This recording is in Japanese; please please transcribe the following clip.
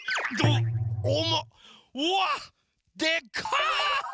うわでかっ！